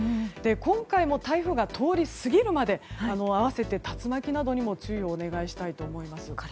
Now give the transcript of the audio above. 今回も台風が通り過ぎるまで併せて竜巻などにも注意をお願いしたいと思います。